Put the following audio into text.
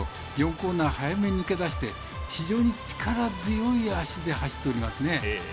コーナー早めに抜け出して非常に力強い脚で走っておりますね。